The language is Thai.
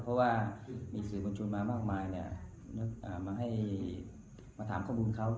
เพราะว่ามีสื่อมวลชนมามากมายมาให้มาถามข้อมูลเขา